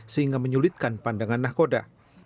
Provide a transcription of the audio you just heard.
sehingga menyulitkan pandangan nahkoda